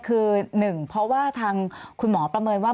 คือหนึ่งเพราะว่าทางคุณหมอประเมินว่า